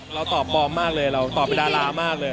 เราตอบปลอมมากเลยเราตอบเป็นดารามากเลย